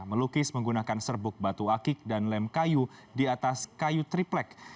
melukis menggunakan serbuk batu akik dan lem kayu di atas kayu triplek